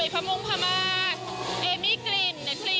ทำงานเยอะเกินไป